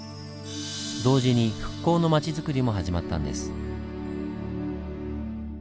同時に復興のまちづくりも始まったんです。